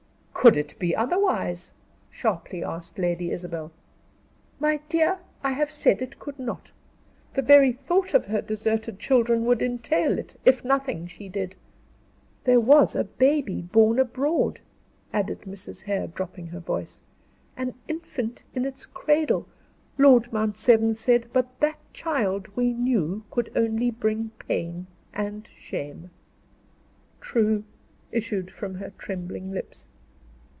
"Could it be otherwise?" sharply asked Lady Isabel. "My dear, I have said it could not. The very thought of her deserted children would entail it, if nothing she did. There was a baby born abroad," added Mrs. Hare, dropping her voice, "an infant in its cradle, Lord Mount Severn said; but that child, we knew, could only bring pain and shame." "True," issued from her trembling lips.